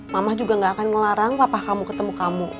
mama juga gak akan ngelarang papa kamu ketemu kamu